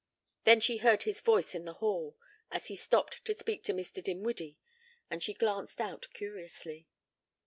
Then she heard his voice in the hall as he stopped to speak to Mr. Dinwiddie, and she glanced out curiously.